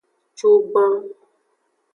Cugban.